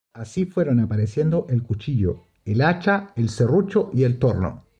Así fueron apareciendo el cuchillo, el hacha, el serrucho y el torno.